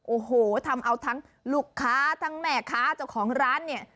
โอ้โหทำเอาทั้งลูกค้าทั้งแม่ค้าเจ้าของร้านเนี่ย